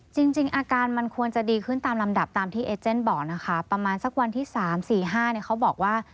จริงอาการมันควรจะดีขึ้นตามลำดับตามที่เอเจนบอกนะคะประมาณสักวันที่๓๔๕เนี่ยเขาบอกว่า